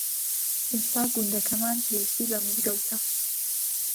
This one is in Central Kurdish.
ئێستا گوندەکەمان پێویستی بە مزگەوتە.